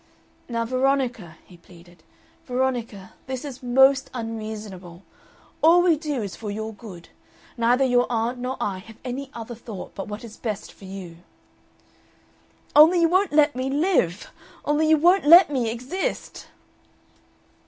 "Now, Veronica," he pleaded, "Veronica, this is most unreasonable. All we do is for your good. Neither your aunt nor I have any other thought but what is best for you." "Only you won't let me live. Only you won't let me exist!"